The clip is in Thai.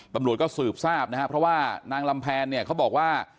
บำรวดก็สืบทราบเพราะว่านางลำแพนเขาบอกว่า